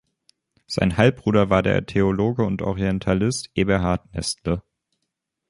Sein Halbbruder war der Theologe und Orientalist Eberhard Nestle.